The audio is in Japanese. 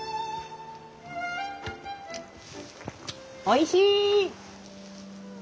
おいしい！